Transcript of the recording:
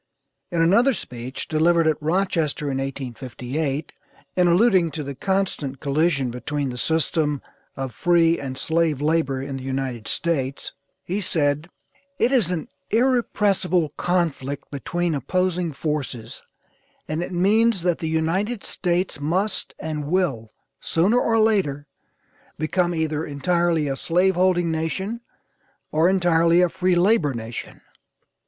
In another speech, delivered at Rochester in 1858, in alluding to the constant collision between the system, of free and slave labor in the United States, he said: "It is an irrepressible conflict between opposing forces, and it means that the United States must and will, sooner or later, become either entirely a slave holding nation, or entirely a free labor nation."